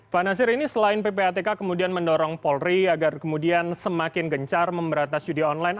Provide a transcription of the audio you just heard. apakah selain ppatk kemudian mendorong polri agar kemudian semakin gencar memberantas judi online